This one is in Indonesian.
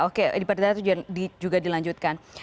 oke di perdata itu juga dilanjutkan